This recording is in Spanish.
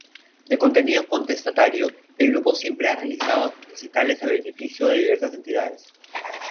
De contenido contestatario, el grupo siempre ha realizado recitales a beneficio de diversas entidades.